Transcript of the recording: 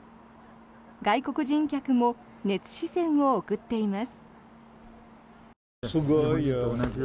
外国人客も熱視線を送っています。